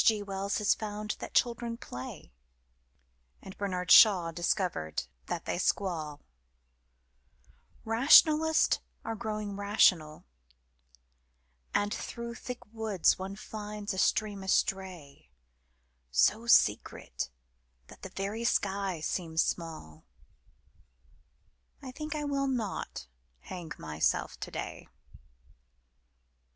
G. Wells has found that children play, And Bernard Shaw discovered that they squall; Rationalists are growing rational And through thick woods one finds a stream astray, So secret that the very sky seems small I think I will not hang myself today.